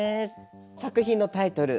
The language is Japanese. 作品のタイトル